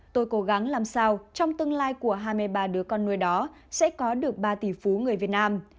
tôi cố gắng làm sao trong tương lai của hai mươi ba đứa con nuôi đó sẽ có được ba tỷ phú người việt nam